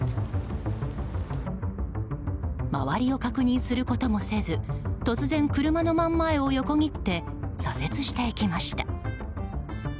周りを確認することもせず突然、車の真ん前を横切って左折していきました。